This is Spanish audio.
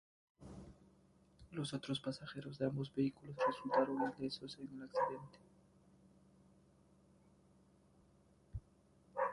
Los otros pasajeros de ambos vehículos resultaron ilesos en el accidente.